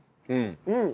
うん。